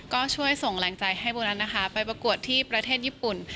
ก็ช่วยส่งแรงใจให้โบนัสนะคะไปประกวดที่ประเทศญี่ปุ่น